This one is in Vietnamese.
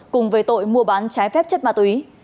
cùng về tội mua bán trái phép chất ma túy